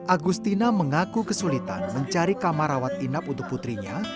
agustina mengaku kesulitan mencari kamar rawat inap untuk putrinya